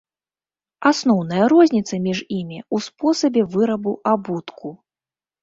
Асноўная розніца між імі ў спосабе вырабу абутку.